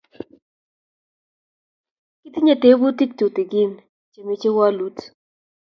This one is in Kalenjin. kitinye tebutik tutegen che mechei wolut